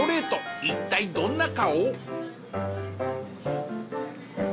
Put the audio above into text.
一体どんな顔？